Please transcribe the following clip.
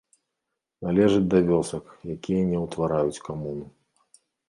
Належыць да вёсак, якія не ўтвараюць камуну.